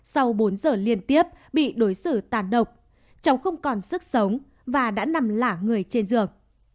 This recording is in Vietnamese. sau bốn giờ liên tiếp bị đối xử tàn độc cháu không còn sức sống và đã nằm lả người trên giường